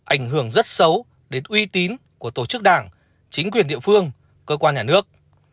ảnh hưởng rất xấu đến uy tín của tổ chức đảng chính quyền địa phương cơ quan nhà nước